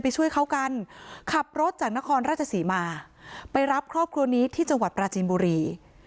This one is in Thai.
ช่วยเขากันขับรถจากนครราชศรีมาไปรับครอบครัวนี้ที่จังหวัดปราจีนบุรี